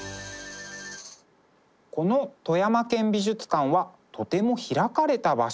この富山県美術館はとても開かれた場所。